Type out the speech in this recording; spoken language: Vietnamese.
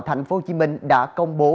thành phố hồ chí minh đã công bố